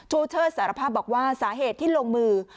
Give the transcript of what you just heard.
เชิดสารภาพบอกว่าสาเหตุที่ลงมือ